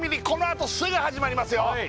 このあとすぐ始まりますよ